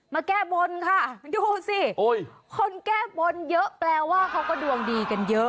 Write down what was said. แก้บนค่ะดูสิคนแก้บนเยอะแปลว่าเขาก็ดวงดีกันเยอะ